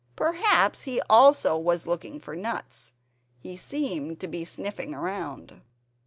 Perhaps he also was looking for nuts; he seemed to be sniffing around.